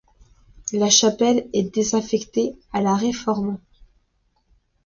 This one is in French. La chapelle est désaffectée à la Réforme.